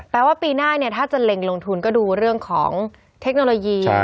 แปลว่าปีหน้าเนี่ยถ้าจะเล็งลงทุนก็ดูเรื่องของเทคโนโลยี